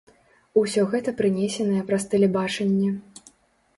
Усё гэта прынесенае праз тэлебачанне.